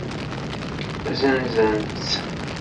Zenzen-tt?